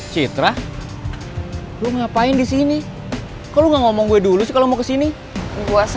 sampai jumpa di video selanjutnya